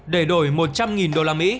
để đổi một trăm linh usd